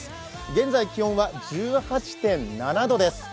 現在気温は１８．７度です。